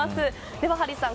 ではハリーさん